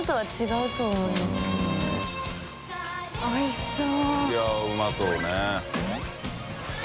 うわおいしそう！